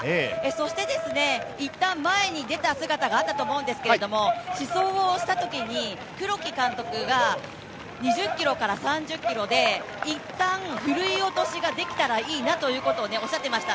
そして、一旦前に出た姿があったと思うんですけど、疾走をしたときに黒木監督が、２０ｋｍから３０ｋｍで一旦ふるい落としができたらいいなということをおっしゃっていました。